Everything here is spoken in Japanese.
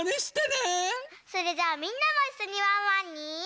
それじゃあみんなもいっしょにワンワンに。